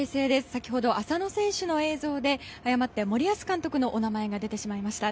先ほど浅野選手の映像で誤って森保監督のお名前が出てしまいました。